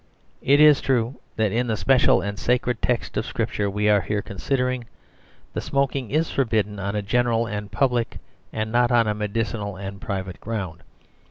It is true that in the special and sacred text of scripture we are here considering, the smoking is forbidden on a general and public and not on a medicinal and private ground.